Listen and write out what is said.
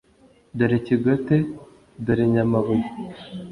Dore Kigote dore Nyamabuye